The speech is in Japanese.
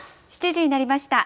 ７時になりました。